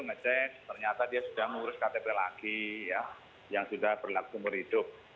mencet ternyata dia sudah mengurus ktp lagi yang sudah berlaku muriduk